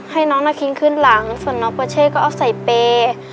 ให้น้องนาคินขึ้นหลังส่วนน้องโปเช่ก็เอาใส่เปย์